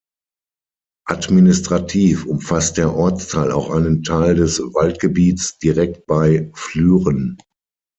Administrativ umfasst der Ortsteil auch einen Teil des Waldgebiets direkt bei Flüren.